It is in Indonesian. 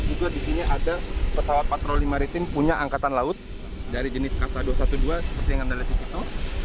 juga di sini ada pesawat patroli maritim punya angkatan laut dari jenis kasa dua ratus dua belas seperti yang anda lihat di situ